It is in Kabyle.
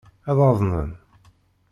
Ad aḍnen.